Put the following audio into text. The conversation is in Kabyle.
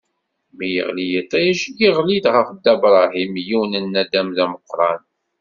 Mi yeɣli yiṭij, iɣli-d ɣef Dda Bṛahim yiwen n naddam d ameqran.